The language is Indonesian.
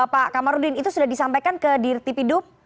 pak komarudin itu sudah disampaikan ke dirtipidum